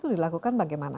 jadi itu dilakukan bagaimana